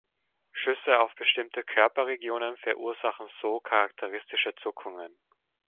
Schüsse auf bestimmte Körperregionen verursachen so charakteristische Zuckungen.